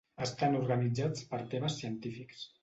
Estan organitzats per temes científics.